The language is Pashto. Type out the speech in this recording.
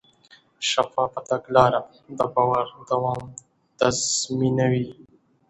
شفافه تګلاره د باور دوام تضمینوي.